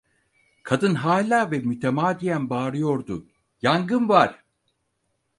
Kadın hâlâ ve mütemadiyen bağırıyordu: - Yangın var!